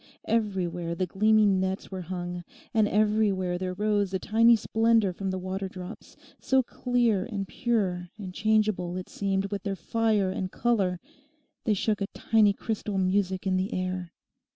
Everywhere the gleaming nets were hung, and everywhere there rose a tiny splendour from the waterdrops, so clear and pure and changeable it seemed with their fire and colour they shook a tiny crystal music in the air.